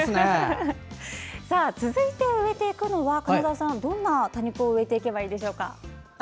続いては金沢さん、どんな多肉を植えていけばいいでしょうか。